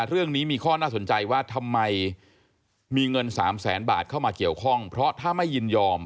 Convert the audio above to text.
เรื่องนี้มีข้อน่าสนใจว่าทำไมมีเงิน๓แสนบาทเข้ามาเกี่ยวข้องเพราะถ้าไม่ยินยอม